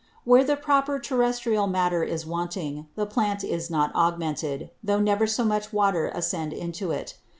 _ Where the proper Terrestrial Matter is wanting, the Plant is not augmented, though never so much Water ascend into it.